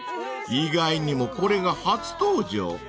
［意外にもこれが初登場。